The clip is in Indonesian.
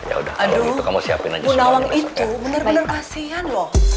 aduh bu nawang itu benar benar kasihan loh